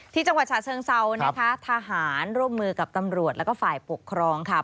จังหวัดฉะเชิงเซานะคะทหารร่วมมือกับตำรวจแล้วก็ฝ่ายปกครองค่ะ